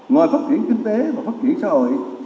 ngoài phát triển kinh tế và phát triển xã hội